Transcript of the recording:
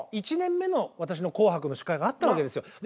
１年目の私の「紅白」の司会があったわけですよ。